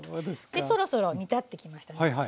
そろそろ煮立ってきましたね。